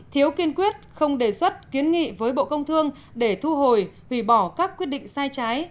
thiếu kiên quyết không đề xuất kiến nghị với bộ công thương để thu hồi vì bỏ các quyết định sai trái